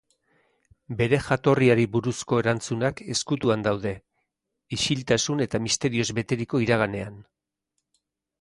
Bere jatorriari buruzko erantzunak ezkutuan daude, isiltasun eta misterioz beteriko iraganean.